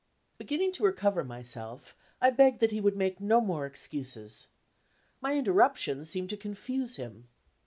Beginning to recover myself, I begged that he would make no more excuses. My interruption seemed to confuse him.